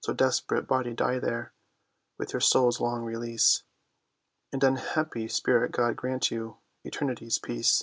So desperate body die there, with your soul's long release, And unhappy spirit God grant you Eternity's peace!